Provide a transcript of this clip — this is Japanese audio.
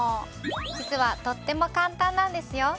実はとっても簡単なんですよ。